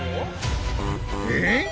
えっ？